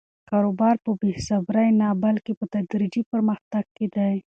کاروبار په بې صبري نه، بلکې په تدریجي پرمختګ کې دی.